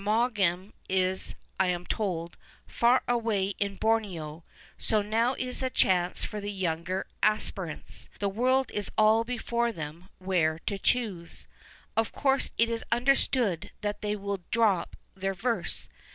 Maugham is, I am told, far away in Borneo, so now is the chance for the young aspirants ; the world is all before them where to choose. Of course it is understood that tluy will drop their verse.